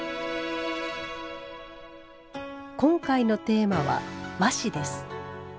今回のテーマは「和紙」です。